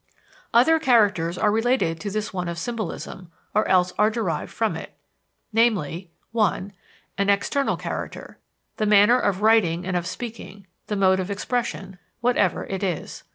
Other characters are related to this one of symbolism, or else are derived from it, viz.: (1) An external character: the manner of writing and of speaking, the mode of expression, whatever it is.